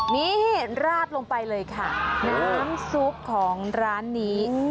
นี่ราดลงไปเลยค่ะน้ำซุปของร้านนี้